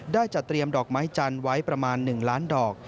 จัดเตรียมดอกไม้จันทร์ไว้ประมาณ๑ล้านดอก